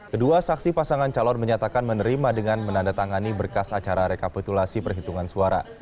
kedua saksi pasangan calon menyatakan menerima dengan menandatangani berkas acara rekapitulasi perhitungan suara